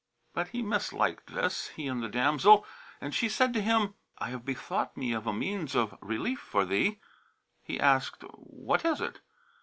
But he misliked this, he and the damsel, and she said to him, "I have bethought me of a means of relief for thee." He asked, "What is it?